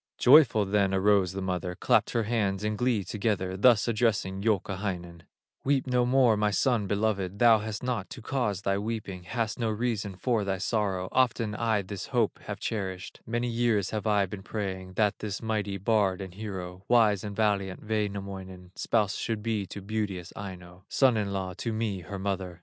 Joyful then arose the mother, Clapped her hands in glee together, Thus addressing Youkahainen: "Weep no more, my son beloved, Thou hast naught to cause thy weeping, Hast no reason for thy sorrow, Often I this hope have cherished; Many years have I been praying That this mighty bard and hero, Wise and valiant Wainamoinen, Spouse should be to beauteous Aino, Son in law to me, her mother."